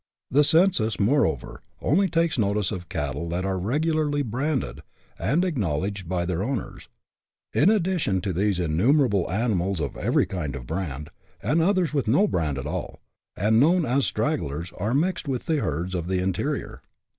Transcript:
; the census, moreover, only takes notice of cattle that are regularly branded and acknowledged by their owners ; in addition to these innumerable animals of every kind of brand, and others with no brand at all, and known as " stragglers," are mixed with the herds in the interior.